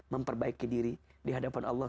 memperbaiki diri di hadapan allah